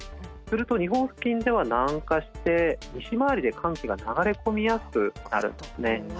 すると日本付近では南下して西回りで寒気が流れ込みやすくなるんですね。